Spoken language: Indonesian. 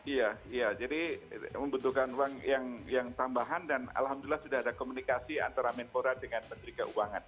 iya jadi membutuhkan uang yang tambahan dan alhamdulillah sudah ada komunikasi antara menpora dengan menteri keuangan